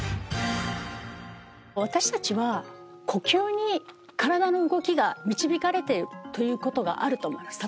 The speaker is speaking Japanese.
私たちは呼吸に体の動きが導かれてることがあると思います。